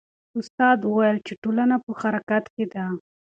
استاد وویل چې ټولنه په حرکت کې ده.